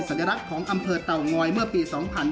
สัญลักษณ์ของอำเภอเต่างอยเมื่อปี๒๕๕๙